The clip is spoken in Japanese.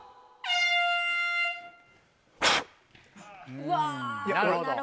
うわなるほど。